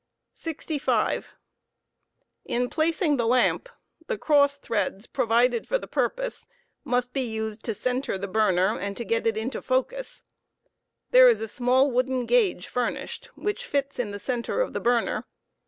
. 65. In placing the lamp, the cross threads provided for the purpose must be used Placing lamp, to center the burner and to get it into focus. There is a small wooden gauge furnished which fits m the center of the burner?